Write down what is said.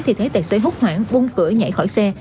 thì thấy tài xế hút hoảng vung cửa nhảy khỏi xe